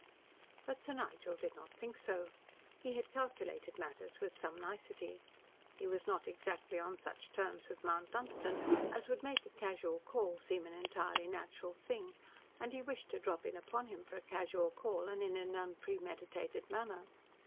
But Sir Nigel did not think so. He had calculated matters with some nicety. He was not exactly on such terms with Mount Dunstan as would make a casual call seem an entirely natural thing, and he wished to drop in upon him for a casual call and in an unpremeditated manner.